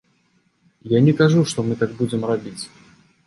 Я не кажу, што мы так будзем рабіць.